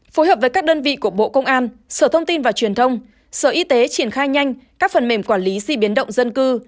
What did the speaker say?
phối hợp với các đơn vị của bộ công an sở thông tin và truyền thông sở y tế triển khai nhanh các phần mềm quản lý di biến động dân cư